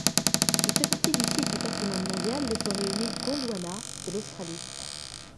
Il fait partie du site du patrimoine mondial des forêts humides Gondwana de l'Australie.